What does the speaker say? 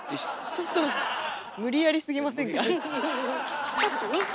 ちょっとね。